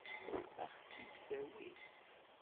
Ad ɣ-t-id-tawi?